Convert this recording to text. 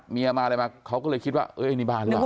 เมียมาอะไรมาเขาก็เลยคิดว่าเอ้ยนี่บ้านหรือเปล่า